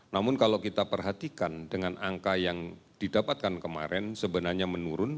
namun kalau kita perhatikan dengan angka yang didapatkan kemarin sebenarnya menurun